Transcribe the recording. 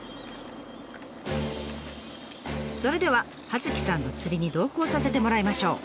それでは葉月さんの釣りに同行させてもらいましょう。